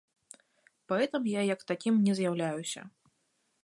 Паэтам я як такім не з'яўляюся.